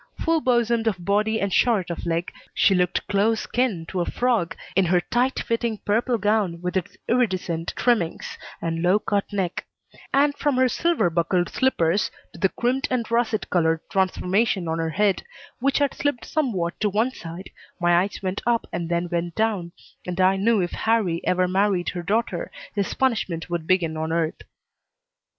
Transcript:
Full bosomed of body and short of leg, she looked close kin to a frog in her tight fitting purple gown with its iridescent trimmings, and low cut neck; and from her silver buckled slippers to the crimped and russet colored transformation on her head, which had slipped somewhat to one side, my eyes went up and then went down, and I knew if Harrie ever married her daughter his punishment would begin on earth.